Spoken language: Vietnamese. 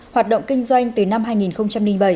hoạt động kinh doanh từ năm hai nghìn bảy